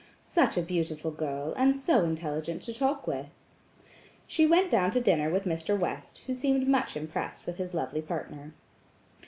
"Such a beautiful girl, and so intelligent to talk with." She went down to dinner with Mr. West, who seemed much impressed with his lovely partner.